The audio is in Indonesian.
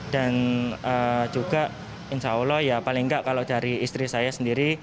dan juga insya allah ya paling nggak kalau dari istri saya sendiri